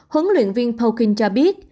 hướng luyện viên poukin cho biết